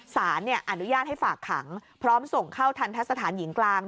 สารอนุญาตให้ฝากขังพร้อมส่งเข้าทันทะสถานหญิงกลาง